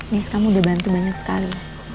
nis kamu udah bantu banyak sekali